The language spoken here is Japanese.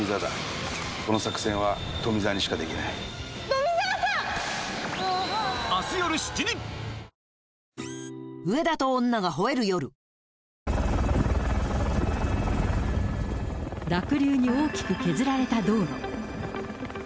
じゃあ、ビ濁流に大きく削られた道路。